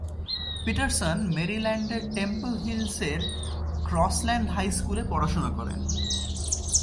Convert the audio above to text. Pietersen মেরিল্যান্ডের Temple হিলসের Crossland high স্কুলে পড়াশোনা করেন।